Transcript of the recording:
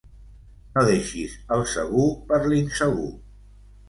No deixis el segur per l'insegur.